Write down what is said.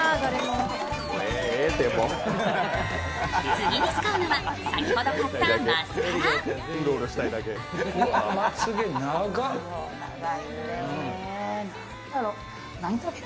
次に使うのは先ほど買ったマスカラ。